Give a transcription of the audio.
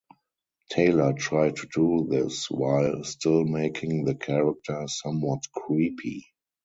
Taylor tried to do this while still making the character "somewhat creepy".